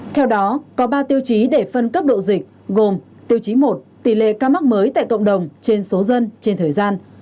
theo đó có ba tiêu chí để phân cấp độ dịch gồm tiêu chí một tỷ lệ ca mắc mới tại cộng đồng trên số dân trên thời gian